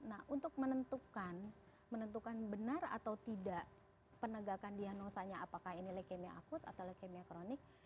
nah untuk menentukan menentukan benar atau tidak penegakan diagnosanya apakah ini leukemia akut atau leukemia kronik